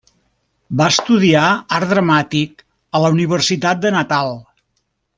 Va estudiar art dramàtic a la Universitat de Natal.